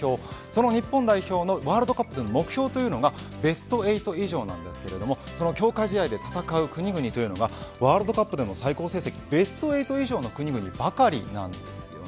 その日本代表のワールドカップでの目標というのがベスト８以上なんですけどもその強化試合で戦う国々というのはワールドカップでの最高成績ベスト８以上の国々ばかりなんです。